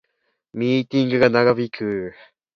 ミーティングが長引く